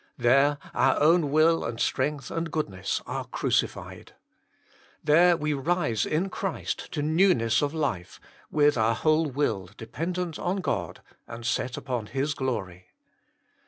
There our own will and strength and goodness are crucified. There we 48 THE MINISTRY OF INTERCESSION rise in Christ to newness of life, with our whole will dependent on God and set upon His glory.